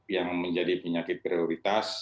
yang menjadi penyakit prioritas